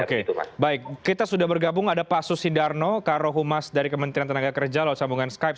oke baik kita sudah bergabung ada pak susi darno karo humas dari kementerian tenaga kerja lewat sambungan skype